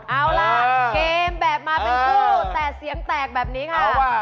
เอาล่ะเกมแบบมาเป็นคู่แต่เสียงแตกแบบนี้ค่ะ